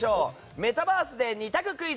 メタバースで２択クイズ！